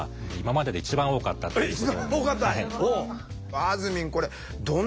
あずみん